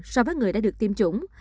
so với người đã được tiêm chủng